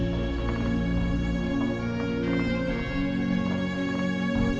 aku mau masuk kamar ya